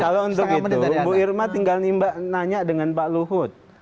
kalau untuk itu bu irma tinggal nanya dengan pak luhut